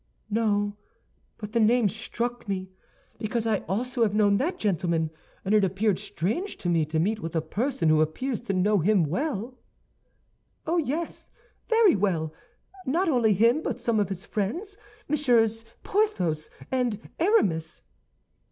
"No; but the name struck me, because I also have known that gentleman, and it appeared strange to me to meet with a person who appears to know him well." "Oh, yes, very well; not only him, but some of his friends, Messieurs Porthos and Aramis!"